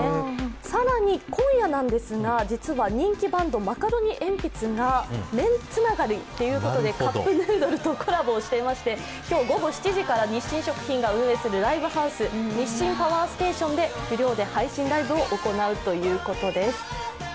更に今夜なんですが、実は人気バンドのマカロニえんぴつが麺つながりということでカップヌードルとコラボしていまして、今日午後７時から日清食品が運営するライブステーション、日清パワーステーションで無料で配信ライブを行うということです。